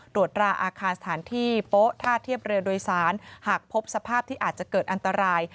ตรวจราอาคารสถานที่โป๊ท่าเทียบเรือโดยสารหากพบสภาพที่อาจจะเกิดอันตราย